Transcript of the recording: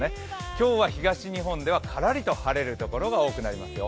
今日は東日本ではからりと晴れるところが多くなりますよ。